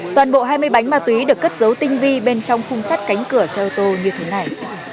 toàn bộ hai mươi bánh ma túy được cất dấu tinh vi bên trong khung sắt cánh cửa xe ô tô như thế này